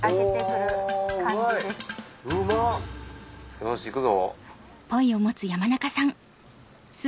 よし行くぞ。